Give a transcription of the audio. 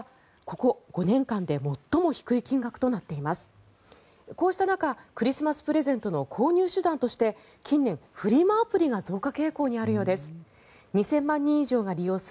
こうした中クリスマスプレゼントの購入手段として近年、フリマアプリが増加傾向にあるようです。